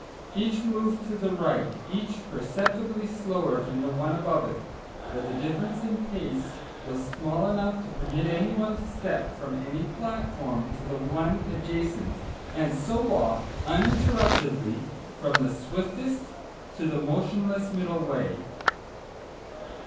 Each moved to the right, each perceptibly slower than the one above it, but the difference in pace was small enough to permit anyone to step from any platform to the one adjacent, and so walk uninterruptedly from the swiftest to the motionless middle way.